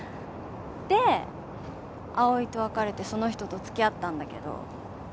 で葵と別れてその人と付き合ったんだけど。